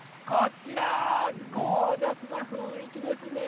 ゴージャスな雰囲気ですね。